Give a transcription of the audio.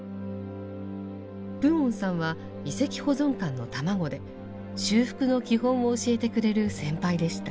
プオンさんは遺跡保存官の卵で修復の基本を教えてくれる先輩でした。